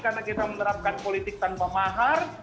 karena kita menerapkan politik tanpa mahar